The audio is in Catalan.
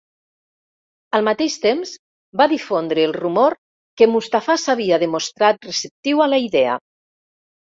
Al mateix temps, va difondre el rumor que Mustafà s'havia demostrat receptiu a la idea.